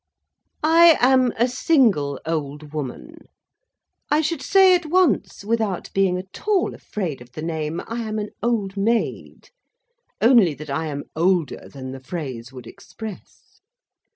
I am a single old woman. I should say at once, without being at all afraid of the name, I am an old maid; only that I am older than the phrase would express.